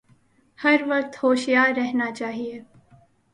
ہر وقت ہوشیار رہنا چاہیے